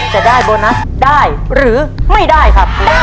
จะได้โบนัสได้หรือไม่ได้ครับ